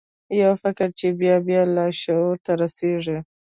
یو فکر چې بیا بیا لاشعور ته رسیږي